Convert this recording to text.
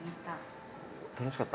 楽しかった？